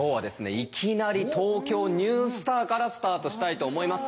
いきなり「ＴＯＫＹＯニュースター」からスタートしたいと思います。